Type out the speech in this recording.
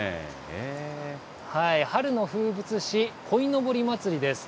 春の風物詩、こいのぼり祭りです。